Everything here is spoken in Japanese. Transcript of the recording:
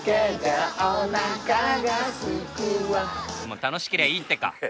もう楽しけりゃいいってか？